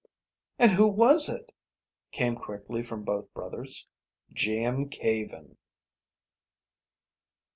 "And who was it?" came quickly from both brothers. "Jim Caven."